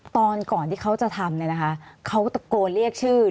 ตอนก่อนที่เขาจะทำเนี่ยนะคะเขาตะโกนเรียกชื่อ